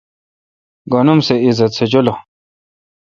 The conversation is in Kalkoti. گن اُم سہ عزت سہ جولہ۔